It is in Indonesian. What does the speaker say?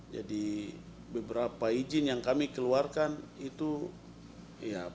jadi beberapa izin yang kami keluarkan itu perusahaan